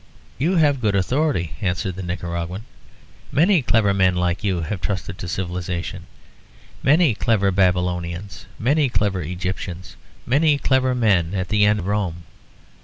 "You have good authority," answered the Nicaraguan. "Many clever men like you have trusted to civilisation. Many clever Babylonians, many clever Egyptians, many clever men at the end of Rome.